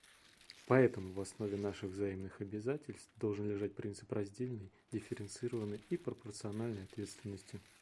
Поэтому в основе наших взаимных обязательств должен лежать принцип разделенной, дифференцированной и пропорциональной ответственности.